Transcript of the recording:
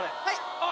・あっ！